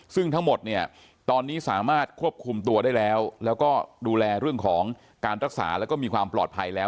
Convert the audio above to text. ซึ่งทั้งหมดเนี่ยตอนนี้สามารถควบคุมตัวได้แล้วแล้วก็ดูแลเรื่องของการรักษาแล้วก็มีความปลอดภัยแล้ว